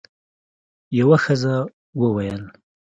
یوه ښځه وویل: